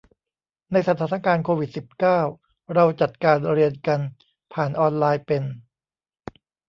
ในสถานการณ์โควิดสิบเก้า เราจัดการเรียนกันผ่านออนไลน์เป็น